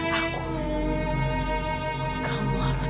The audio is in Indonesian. kamu harus tetap menjalani pembalasan dendam ini raju